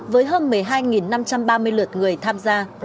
với hơn một mươi hai năm trăm ba mươi lượt người tham gia